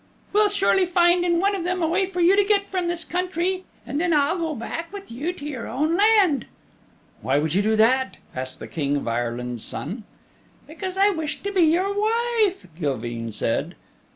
We'll surely find in one of them a way for you to get from this country. And then I'll go back with you to your own land." "Why would you do that?" asked the King of Ire land's Son. "Because I wish to be your wife," Gilveen said.